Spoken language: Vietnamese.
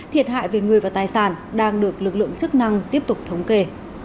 thiệt hại về người và tài sản đang được lực lượng chức năng tiếp tục thống kê